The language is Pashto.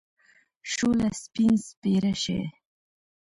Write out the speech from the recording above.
شوله! سپين سپيره شې.